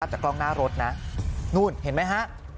จากกล้องหน้ารถนะนู่นเห็นไหมฮะ